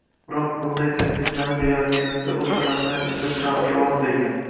Biroq, bunday tavsiflarni berayotganimizda o‘sha lahzaning o‘zida Trampga ovoz bergan